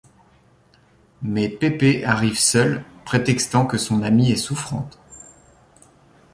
Mais Peppe arrive seul, prétextant que son amie est souffrante.